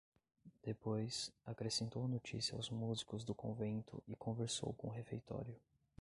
Depois, acrescentou a notícia aos músicos do convento e conversou com o refeitório.